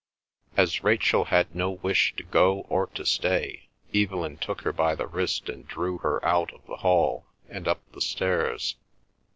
As Rachel had no wish to go or to stay, Evelyn took her by the wrist and drew her out of the hall and up the stairs.